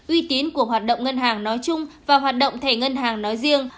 uy tín của hoạt động ngân hàng nói chung và hoạt động thẻ ngân hàng nói riêng